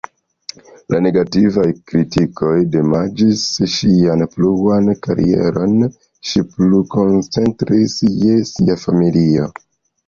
La negativaj kritikoj damaĝis ŝian pluan karieron, ŝi plu koncentris je sia familio.